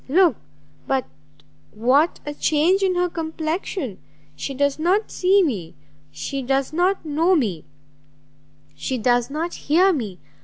look but what a change in her complexion! She does not see me, she does not know me, she does not hear me!